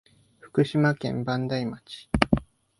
福島県磐梯町